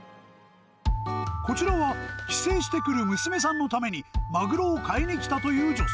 こちらは、帰省してくる娘さんのために、マグロを買いに来たという女性。